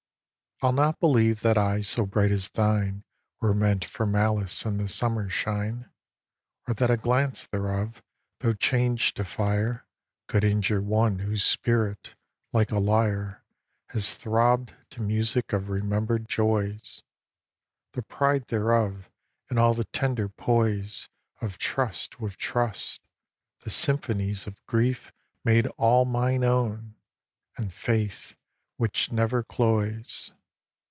xv. I'll not believe that eyes so bright as thine Were meant for malice in the summer shine, Or that a glance thereof, though changed to fire, Could injure one whose spirit, like a lyre, Has throbb'd to music of remember'd joys, The pride thereof, and all the tender poise Of trust with trust, the symphonies of grief Made all mine own, and Faith which never cloys.